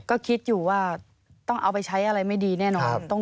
ก็คิดอยู่ว่าต้องเอาไปใช้อะไรไม่ดีแน่นอน